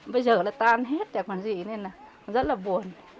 bây giờ tan hết rất là buồn